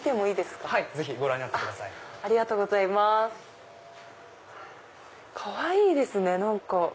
かわいいですね何か。